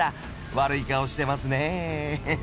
悪い顔してますね。